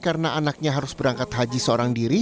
karena anaknya harus berangkat haji seorang diri